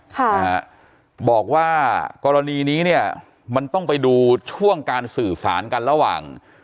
ค่ะนะฮะบอกว่ากรณีนี้เนี่ยมันต้องไปดูช่วงการสื่อสารกันระหว่าง